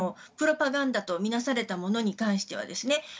プロパガンダと見なされたものに関してはです。